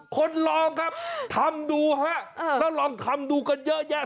คนลองครับทำดูฮะแล้วลองทำดูกันเยอะแยะ